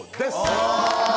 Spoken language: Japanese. ・お！